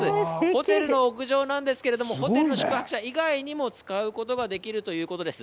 ホテルの屋上なんですけれども、ホテルの宿泊者以外にも使うことができるということです。